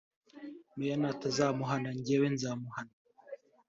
Meya natazamuhana njyewe nzamuhana